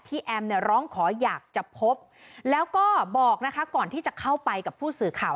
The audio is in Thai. แอมเนี่ยร้องขออยากจะพบแล้วก็บอกนะคะก่อนที่จะเข้าไปกับผู้สื่อข่าว